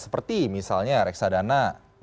seperti misalnya reksadana